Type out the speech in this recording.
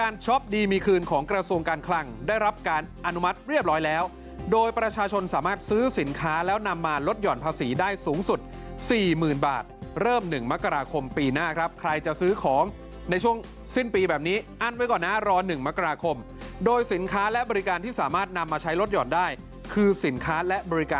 ช็อปดีมีคืนของกระทรวงการคลังได้รับการอนุมัติเรียบร้อยแล้วโดยประชาชนสามารถซื้อสินค้าแล้วนำมาลดหย่อนภาษีได้สูงสุด๔๐๐๐บาทเริ่ม๑มกราคมปีหน้าครับใครจะซื้อของในช่วงสิ้นปีแบบนี้อั้นไว้ก่อนนะรอ๑มกราคมโดยสินค้าและบริการที่สามารถนำมาใช้ลดหย่อนได้คือสินค้าและบริการ